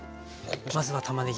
まずはたまねぎ。